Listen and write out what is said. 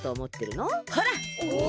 ほら！